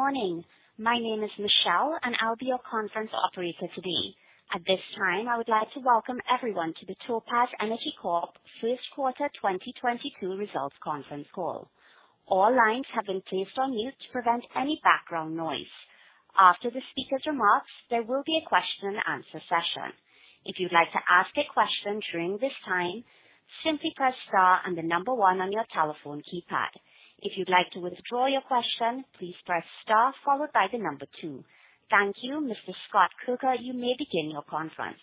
Morning. My name is Michelle, and I'll be your conference operator today. At this time, I would like to welcome everyone to the Topaz Energy Corp first quarter 2022 results conference call. All lines have been placed on mute to prevent any background noise. After the speaker's remarks, there will be a question and answer session. If you'd like to ask a question during this time, simply press star and the number one on your telephone keypad. If you'd like to withdraw your question, please press star followed by the number two. Thank you. Mr. Scott Kirker, you may begin your conference.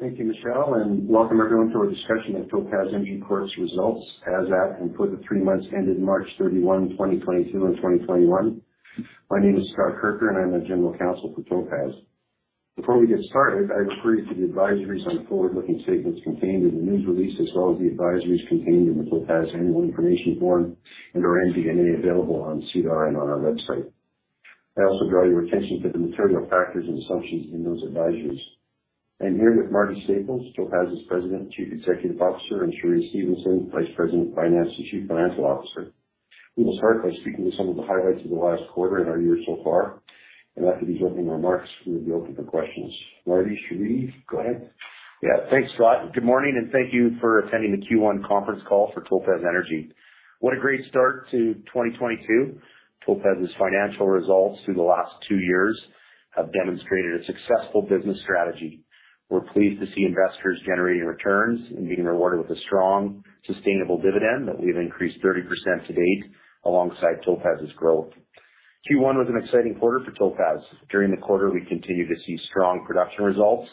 Thank you, Michelle, and welcome everyone to our discussion of Topaz Energy Corp.'s results as at and for the three months ending March 31, 2022 and 2021. My name is Scott Kirker, and I'm the General Counsel for Topaz. Before we get started, I refer you to the advisories on forward-looking statements contained in the news release as well as the advisories contained in the Topaz annual information form and our MD&A available on SEDAR and on our website. I also draw your attention to the material factors and assumptions in those advisories. I'm here with Marty Staples, Topaz's President and Chief Executive Officer, and Cheree Stephenson, Vice President of Finance and Chief Financial Officer. We will start by speaking to some of the highlights of the last quarter and our year so far, and after these opening remarks, we will be open for questions. Marty, Cheree, go ahead. Yeah, thanks, Scott. Good morning, and thank you for attending the Q1 conference call for Topaz Energy. What a great start to 2022. Topaz's financial results through the last two years have demonstrated a successful business strategy. We're pleased to see investors generating returns and being rewarded with a strong, sustainable dividend that we have increased 30% to date alongside Topaz's growth. Q1 was an exciting quarter for Topaz. During the quarter, we continued to see strong production results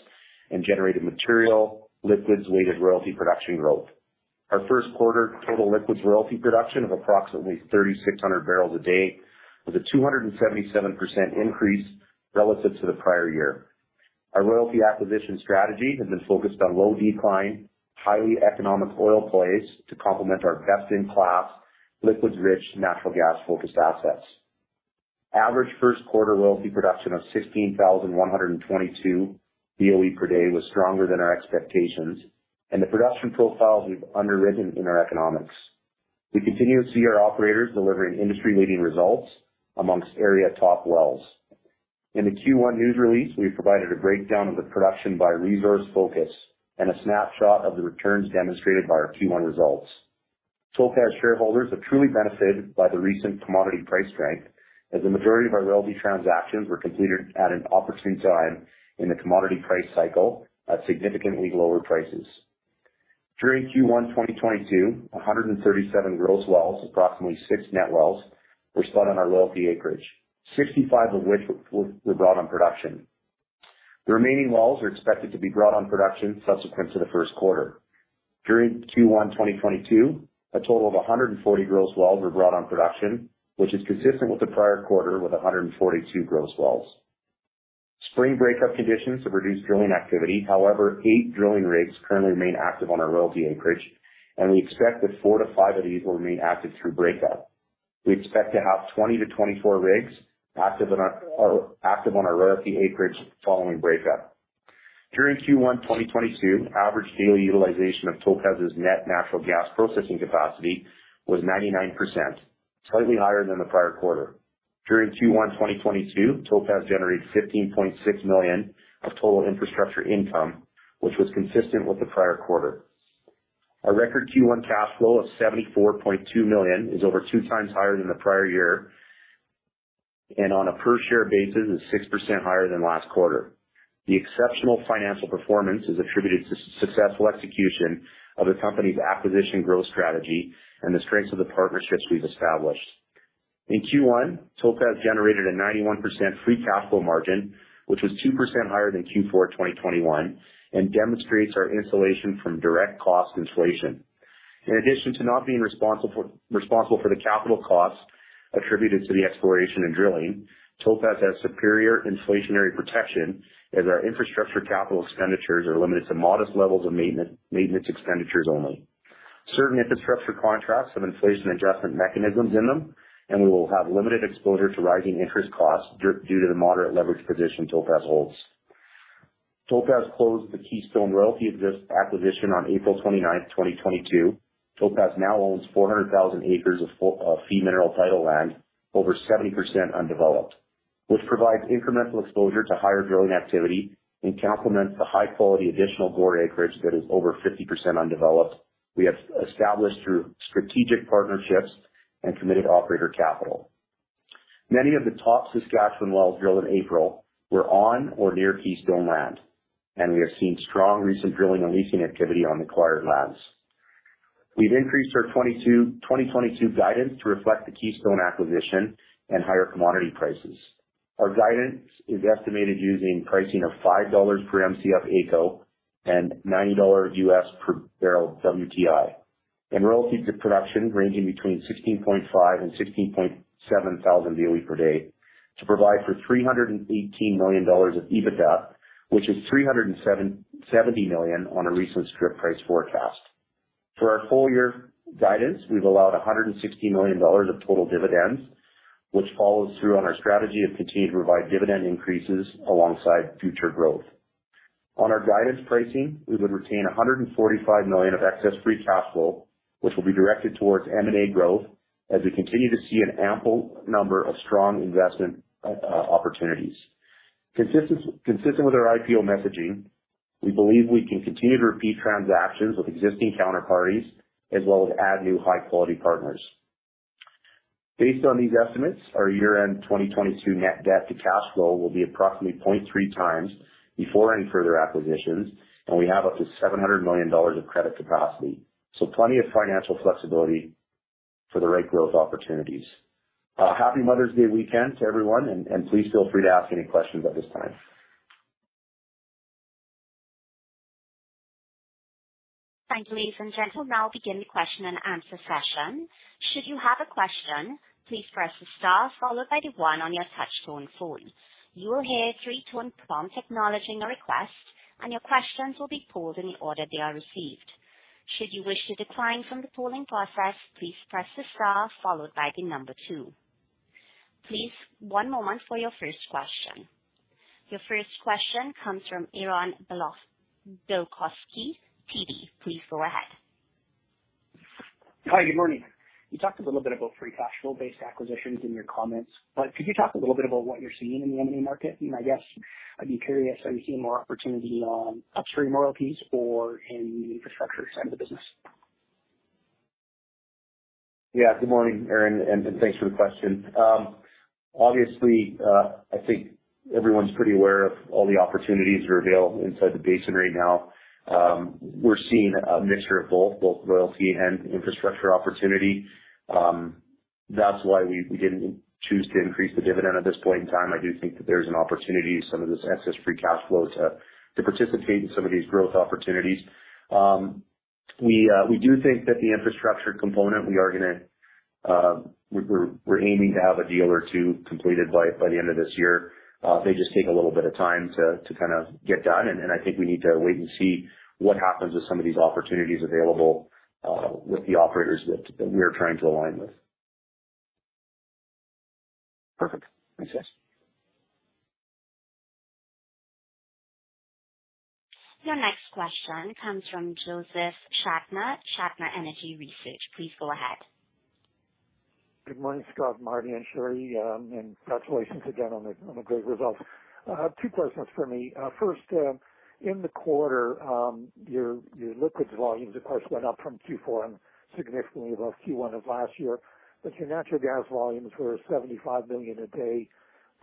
and generated material liquids weighted royalty production growth. Our first quarter total liquids royalty production of approximately 3,600 barrels a day was a 277% increase relative to the prior year. Our royalty acquisition strategy has been focused on low decline, highly economic oil plays to complement our best-in-class, liquids-rich, natural gas-focused assets. Average first quarter royalty production of 16,122 BOE per day was stronger than our expectations and the production profiles we've underwritten in our economics. We continue to see our operators delivering industry-leading results among area top wells. In the Q1 news release, we provided a breakdown of the production by reserve focus and a snapshot of the returns demonstrated by our Q1 results. Topaz shareholders have truly benefited by the recent commodity price strength, as the majority of our royalty transactions were completed at an opportune time in the commodity price cycle at significantly lower prices. During Q1 2022, 137 gross wells, approximately 6 net wells, were spudded on our royalty acreage, 65 of which were brought on production. The remaining wells are expected to be brought on production subsequent to the first quarter. During Q1 2022, a total of 140 gross wells were brought on production, which is consistent with the prior quarter, with 142 gross wells. Spring breakup conditions have reduced drilling activity. However, eight drilling rigs currently remain active on our royalty acreage, and we expect that four to five of these will remain active through breakup. We expect to have 20-24 rigs active on our royalty acreage following breakup. During Q1 2022, average daily utilization of Topaz's net natural gas processing capacity was 99%, slightly higher than the prior quarter. During Q1 2022, Topaz generated 15.6 million of total infrastructure income, which was consistent with the prior quarter. Our record Q1 cash flow of 74.2 million is over two times higher than the prior year, and on a per share basis is 6% higher than last quarter. The exceptional financial performance is attributed to successful execution of the company's acquisition growth strategy and the strength of the partnerships we've established. In Q1, Topaz generated a 91% free cash flow margin, which was 2% higher than Q4 2021, and demonstrates our insulation from direct cost inflation. In addition to not being responsible for the capital costs attributed to the exploration and drilling, Topaz has superior inflationary protection as our infrastructure capital expenditures are limited to modest levels of maintenance expenditures only. Certain infrastructure contracts have inflation adjustment mechanisms in them, and we will have limited exposure to rising interest costs due to the moderate leverage position Topaz holds. Topaz closed the Keystone Royalty interest acquisition on April 29, 2022. Topaz now owns 400,000 acres of fee mineral title land, over 70% undeveloped, which provides incremental exposure to higher drilling activity and complements the high quality additional GORR acreage that is over 50% undeveloped we have established through strategic partnerships and committed operator capital. Many of the top Saskatchewan wells drilled in April were on or near Keystone land, and we have seen strong recent drilling and leasing activity on acquired lands. We've increased our 2022 guidance to reflect the Keystone acquisition and higher commodity prices. Our guidance is estimated using pricing of 5 dollars per Mcf AECO and $90 US per barrel WTI. Our royalty production ranging between 16.5-16.7 thousand BOE per day to provide for 318 million dollars of EBITDA, which is 370 million on a recent strip price forecast. For our full- year guidance, we've allowed 160 million dollars of total dividends, which follows through on our strategy of continuing to provide dividend increases alongside future growth. On our guidance pricing, we would retain 145 million of excess free cash flow, which will be directed towards M&A growth as we continue to see an ample number of strong investment opportunities. Consistent with our IPO messaging, we believe we can continue to repeat transactions with existing counterparties as well as add new high quality partners. Based on these estimates, our year-end 2022 net debt to cash flow will be approximately 0.3 times before any further acquisitions, and we have up to 700 million dollars of credit capacity. Plenty of financial flexibility for the right growth opportunities. Happy Mother's Day weekend to everyone and please feel free to ask any questions at this time. Thank you. Ladies and gentlemen, we'll now begin the question and answer session. Should you have a question, please press the star followed by the one on your touch-tone phone. You will hear a three-tone prompt acknowledging your request, and your questions will be pulled in the order they are received. Should you wish to decline from the polling process, please press the star followed by the number two. Please, one moment for your first question. Your first question comes from Aaron Bilkoski, TD Cowen. Please go ahead. Hi, good morning. You talked a little bit about free cash flow-based acquisitions in your comments, but could you talk a little bit about what you're seeing in the M&A market? I guess I'd be curious, are you seeing more opportunity on upstream royalties or in the infrastructure side of the business? Yeah. Good morning, Aaron, and thanks for the question. Obviously, I think everyone's pretty aware of all the opportunities that are available inside the basin right now. We're seeing a mixture of both royalty and infrastructure opportunity. That's why we didn't choose to increase the dividend at this point in time. I do think that there's an opportunity, some of this excess free cash flow to participate in some of these growth opportunities. We do think that the infrastructure component, we're aiming to have a deal or two completed by the end of this year. They just take a little bit of time to kind of get done. I think we need to wait and see what happens with some of these opportunities available with the operators that we're trying to align with. Perfect. Thanks, guys. Your next question comes from Josef Schachter Energy Research. Please go ahead. Good morning, Scott, Marty, and Cheree. Congratulations again on the great results. Two questions for me. First, in the quarter, your liquids volumes of course went up from Q4 and significantly above Q1 of last year, but your natural gas volumes were 75 million a day,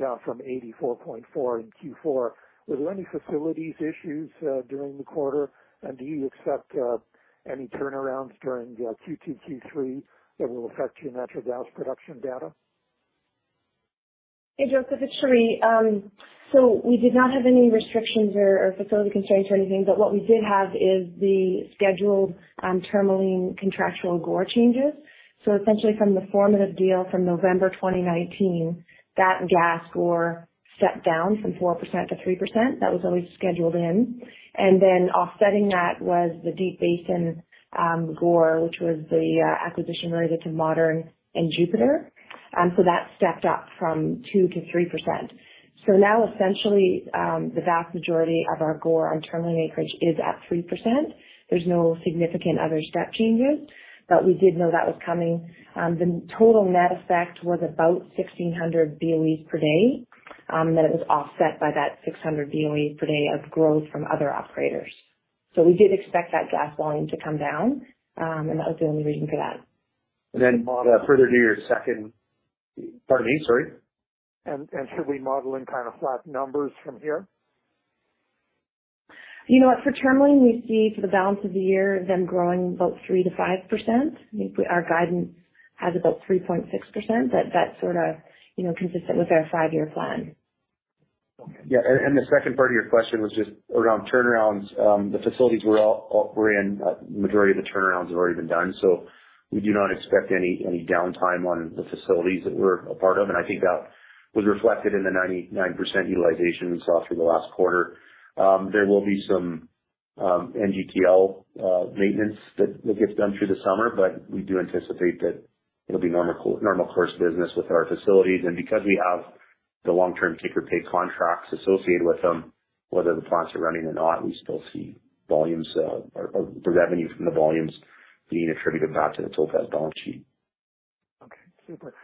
down from 84.4 in Q4. Were there any facilities issues during the quarter? Do you expect any turnarounds during Q2, Q3 that will affect your natural gas production data? Hey, Josef, it's Cheree. We did not have any restrictions or facility constraints or anything, but what we did have is the scheduled Tourmaline contractual GORR changes. Essentially from the formation deal from November 2019, that gas GORR stepped down from 4% to 3%. That was always scheduled in. Offsetting that was the Deep Basin GORR, which was the acquisition related to Modern and Jupiter. That stepped up from 2% to 3%. Now essentially, the vast majority of our GORR on Tourmaline acreage is at 3%. There's no significant other step changes, but we did know that was coming. The total net effect was about 1,600 BOE per day that it was offset by that 600 BOE per day of growth from other operators. We did expect that gas volume to come down, and that was the only reason for that. Pardon me, Cheree. Should we model in kind of flat numbers from here? You know what? For Tourmaline, we see for the balance of the year, them growing about 3%-5%. I think our guidance has about 3.6%. That sort of, you know, consistent with our five-year plan. The second part of your question was just around turnarounds. The facilities we're in, majority of the turnarounds have already been done, so we do not expect any downtime on the facilities that we're a part of. I think that was reflected in the 99% utilization we saw through the last quarter. There will be some NGPL maintenance that gets done through the summer, but we do anticipate that it'll be normal course business with our facilities. Because we have the long-term take or pay contracts associated with them, whether the plants are running or not, we still see volumes or the revenue from the volumes being attributed back to the Topaz balance sheet. Okay, super.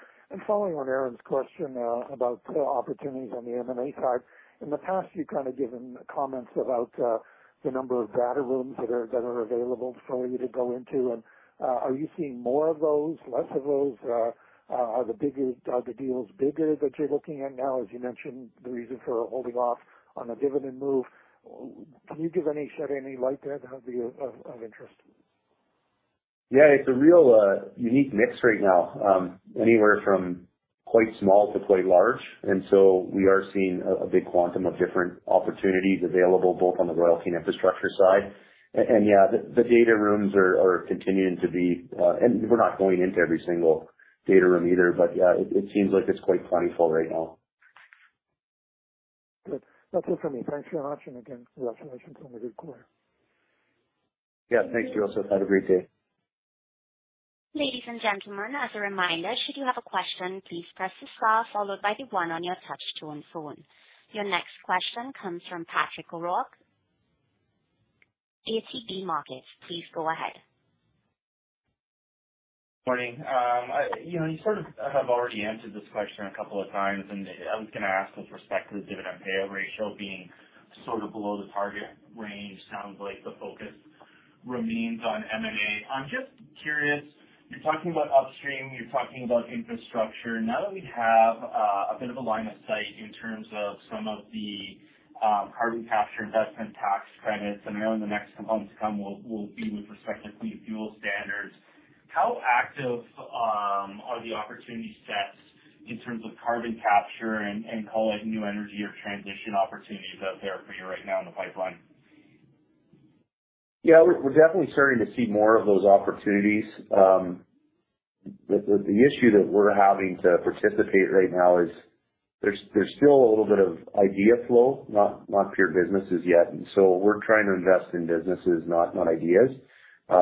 Following on Aaron's question about opportunities on the M&A side. In the past you've kind of given comments about the number of data rooms that are available for you to go into. Are you seeing more of those, less of those? Are the deals bigger that you're looking at now? As you mentioned, the reason for holding off on the dividend move. Would you give any, Cheree, any light to that? That'd be of interest. Yeah, it's a real unique mix right now. Anywhere from quite small to quite large. We are seeing a big quantum of different opportunities available both on the royalty and infrastructure side. Yeah, the data rooms are continuing to be, and we're not going into every single data room either. Yeah, it seems like it's quite plentiful right now. Good. That's it for me. Thanks very much, and again, congratulations on the good quarter. Yeah. Thank you, Josef. Have a great day. Ladies and gentlemen, as a reminder, should you have a question, please press star followed by the one on your touchtone phone. Your next question comes from Patrick O'Rourke, ATB Capital Markets. Please go ahead. Morning. You know, you sort of have already answered this question a couple of times, and I was gonna ask with respect to the dividend payout ratio being sort of below the target range. Sounds like the focus remains on M&A. I'm just curious, you're talking about upstream, you're talking about infrastructure. Now that we have a bit of a line of sight in terms of some of the carbon capture Investment Tax Credit, and knowing the next components to come will be with respect to Clean Fuel Standard, how active are the opportunity sets in terms of carbon capture and call it new energy or transition opportunities out there for you right now in the pipeline? Yeah, we're definitely starting to see more of those opportunities. The issue that we're having to participate right now is there's still a little bit of idea flow, not pure businesses yet. We're trying to invest in businesses, not ideas.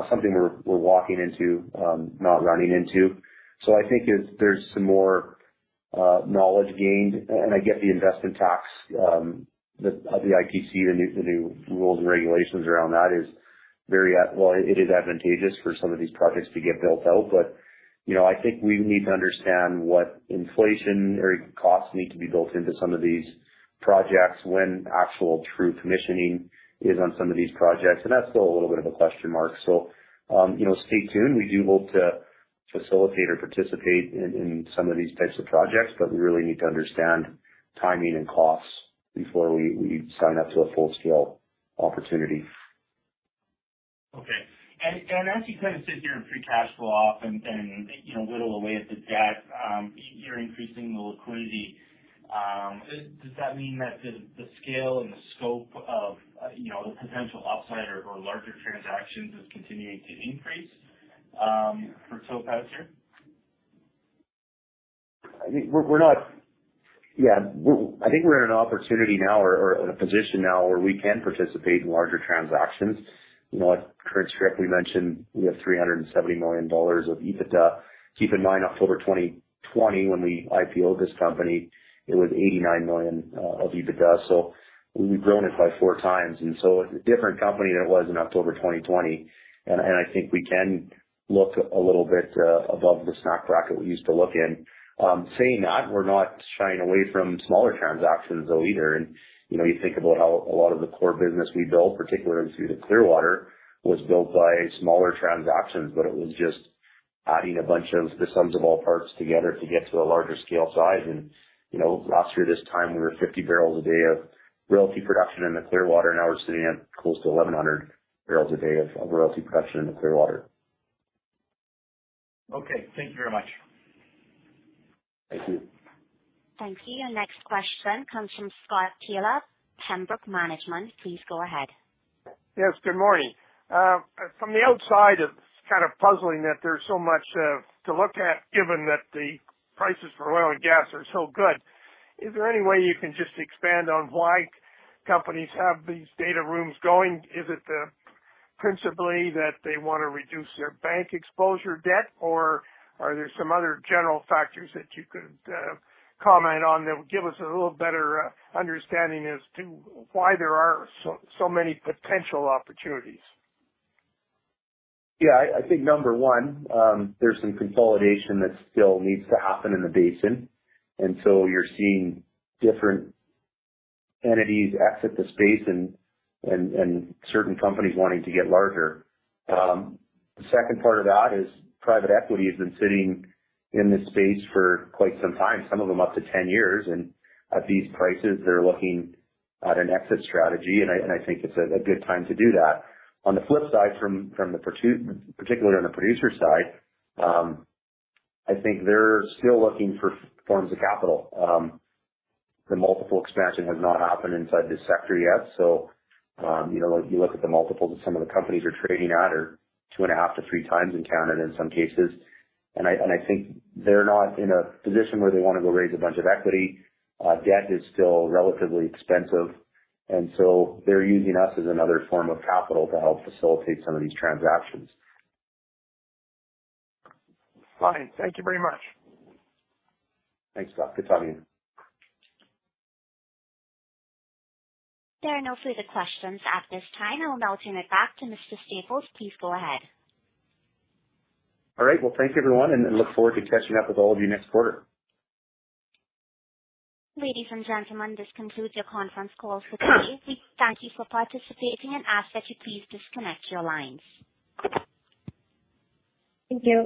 Something we're walking into, not running into. I think there's some more knowledge gained. I get the investment tax, the ITC, the new rules and regulations around that is very ad. Well, it is advantageous for some of these projects to get built out. You know, I think we need to understand what inflation or costs need to be built into some of these projects when actual true commissioning is on some of these projects, and that's still a little bit of a question mark. you know, stay tuned. We do hope to facilitate or participate in some of these types of projects, but we really need to understand timing and costs before we sign up to a full-scale opportunity. Okay. As you kind of sit here with free cash flow often and, you know, whittle away at the debt, you're increasing the liquidity. Does that mean that the scale and the scope of, you know, the potential upside or larger transactions is continuing to increase so far this year? I think we're in an opportunity now or in a position now where we can participate in larger transactions. You know, at current strip, we mentioned we have 370 million dollars of EBITDA. Keep in mind, October 2020 when we IPOed this company, it was 89 million of EBITDA. We've grown it by four times, and it's a different company than it was in October 2020. I think we can look a little bit above the snack bracket we used to look in. Saying that, we're not shying away from smaller transactions though either. You know, you think about how a lot of the core business we built, particularly through the Clearwater, was built by smaller transactions, but it was just adding a bunch of the sums of all parts together to get to a larger scale size. You know, last year this time we were 50 barrels a day of royalty production in the Clearwater. Now we're sitting at close to 1,100 barrels a day of royalty production in the Clearwater. Okay. Thank you very much. Thank you. Thank you. Your next question comes from Scott Hawker, Pembroke Management. Please go ahead. Yes, good morning. From the outside, it's kind of puzzling that there's so much to look at, given that the prices for oil and gas are so good. Is there any way you can just expand on why companies have these data rooms going? Is it principally that they wanna reduce their bank exposure debt, or are there some other general factors that you could comment on that would give us a little better understanding as to why there are so many potential opportunities? Yeah. I think number one, there's some consolidation that still needs to happen in the basin, and so you're seeing different entities exit the space and certain companies wanting to get larger. The second part of that is private equity has been sitting in this space for quite some time, some of them up to 10 years. At these prices they're looking at an exit strategy, and I think it's a good time to do that. On the flip side, particularly on the producer side, I think they're still looking for forms of capital. The multiple expansion has not happened inside this sector yet. You know, you look at the multiples that some of the companies are trading at are 2.5-3x in Canada in some cases. I think they're not in a position where they wanna go raise a bunch of equity. Debt is still relatively expensive, and so they're using us as another form of capital to help facilitate some of these transactions. Fine. Thank you very much. Thanks, Scott. Good talking to you. There are no further questions at this time. I will now turn it back to Mr. Staples. Please go ahead. All right. Well, thank you everyone, and I look forward to catching up with all of you next quarter. Ladies and gentlemen, this concludes your conference call for today. We thank you for participating and ask that you please disconnect your lines. Thank you.